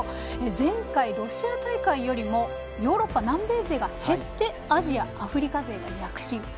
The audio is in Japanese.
前回、ロシア大会よりもヨーロッパ、南米勢が減ってアジア、アフリカ勢が躍進。